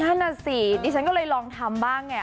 นั่นน่ะสิดิฉันก็เลยลองทำบ้างไง